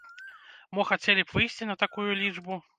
Мо хацелі б выйсці на такую лічбу?!